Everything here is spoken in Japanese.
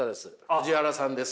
藤原さんです。